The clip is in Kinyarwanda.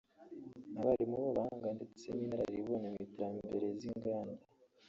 abarimu b’abahanga ndetse n’iraribonye mu iterambere z’inganda